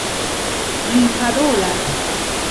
priparolas